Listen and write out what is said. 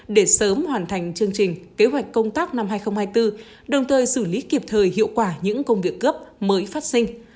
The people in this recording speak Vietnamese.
để sớm hoàn thành chương trình kế hoạch công tác năm hai nghìn hai mươi bốn đồng thời xử lý kịp thời hiệu quả những công việc cấp mới phát sinh